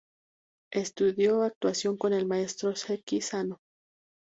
Estudió actuación con el maestro Seki Sano.